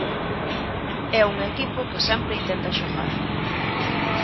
É un equipo que sempre intenta xogar.